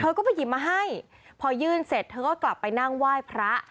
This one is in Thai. ก็ไปหยิบมาให้พอยื่นเสร็จเธอก็กลับไปนั่งไหว้พระ